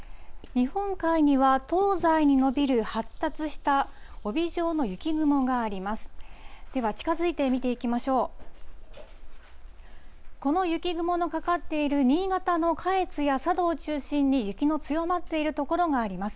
日本海には東西に延びる発達した帯状の雪雲があります。